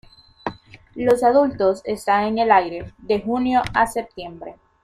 Los adultos están en el aire de junio a septiembre.